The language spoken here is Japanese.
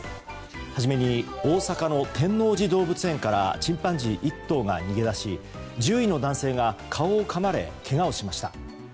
大阪の天王寺動物園からチンパンジー１頭が逃げ出し獣医の男性が顔をかまれけがをしました。